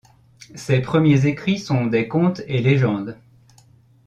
Ses premiers écrits sont des contes et légendes.